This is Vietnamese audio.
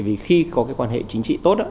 vì khi có cái quan hệ chính trị tốt